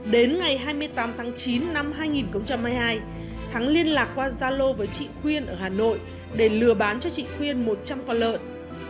đến ngày hai mươi tám tháng chín năm hai nghìn hai mươi hai thắng liên lạc qua gia lô với chị khuyên ở hà nội để lừa bán cho chị khuyên một trăm linh con lợn